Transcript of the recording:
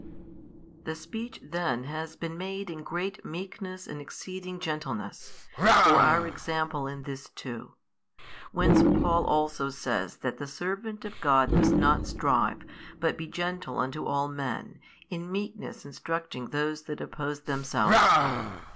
The speech then has been made in great meekness and exceeding gentleness, for our example in this too: whence Paul also says that the servant of God must not strive, but be gentle unto all men, in meekness instructing those that oppose themselves.